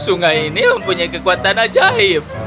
sungai ini mempunyai kekuatan ajaib